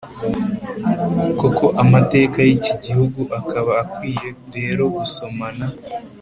koko amateka y'iki gihugu, akaba akwiye rero gusomana